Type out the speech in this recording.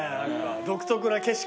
独特な景色。